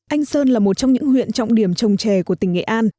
anh sơn là một trong những huyện trọng điểm trồng trè của tỉnh nghệ an